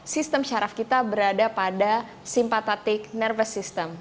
sistem syaraf kita berada pada simpatatic nervous system